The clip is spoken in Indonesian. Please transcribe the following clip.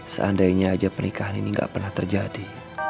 seandainya aja pernikahan ini gak pernah terjadi